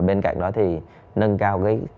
bên cạnh đó thì nâng cao cái